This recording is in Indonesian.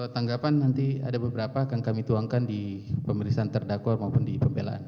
tanggapan nanti ada beberapa akan kami tuangkan di pemeriksaan terdakwa maupun di pembelaan